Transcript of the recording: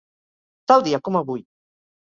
Tal dia com avui.